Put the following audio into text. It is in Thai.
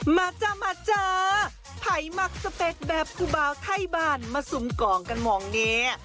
มาจ๊ะมาจ๊ะไพมักสเป็ดแบบภูเบาไทยบ้านมาซุ่มกล่องกันมองเนี้ย